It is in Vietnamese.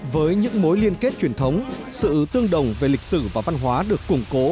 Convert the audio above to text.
với những mối liên kết truyền thống sự tương đồng về lịch sử và văn hóa được củng cố